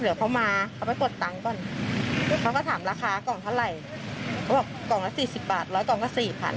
แล้วก็ถามราคากล่องเท่าไหร่เขาบอกกล่องก็สี่สิบบาทร้อยกล่องก็สี่พัน